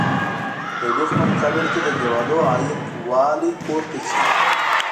د تودوخې په مقابل کې د دېوالونو عایق والي پورته ځي.